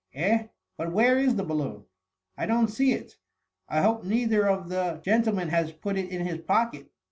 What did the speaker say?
Eh ! but where is the balloon ? I don't see it. I hope neither of the gentlemen has put it in his pocket